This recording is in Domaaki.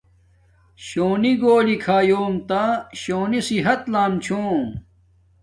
شونی گھولی کھایُوم تا شونی صحت لام چھوم